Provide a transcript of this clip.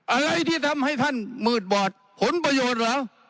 อะไรที่ทำให้ท่านมืดบอดผลประโยชน์เหรอ